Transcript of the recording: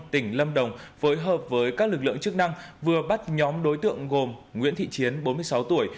tỉnh lâm đồng phối hợp với các lực lượng chức năng vừa bắt nhóm đối tượng gồm nguyễn thị chiến bốn mươi sáu tuổi